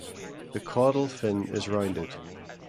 The caudal fin is rounded.